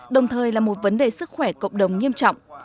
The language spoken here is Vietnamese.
đồng thời là một vấn đề sức khỏe cộng đồng nghiêm trọng